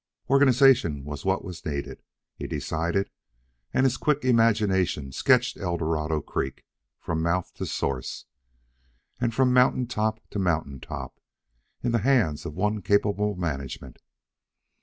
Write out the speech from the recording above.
Organization was what was needed, he decided; and his quick imagination sketched Eldorado Creek, from mouth to source, and from mountain top to mountain top, in the hands of one capable management.